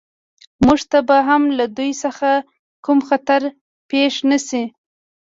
موږ ته به هم له دوی څخه کوم خطر پېښ نه شي